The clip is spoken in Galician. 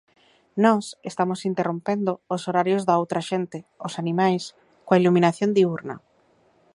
Nós estamos interrompendo os horarios da outra xente, os animais, coa iluminación diúrna.